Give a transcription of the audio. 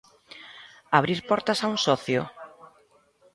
Abrir portas a un socio?